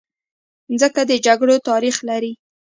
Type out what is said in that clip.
مځکه د جګړو تاریخ لري.